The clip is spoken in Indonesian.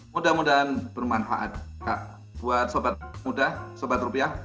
mudah mudahan bermanfaat buat sobat muda sobat rupiah